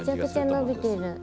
めちゃくちゃ伸びてる。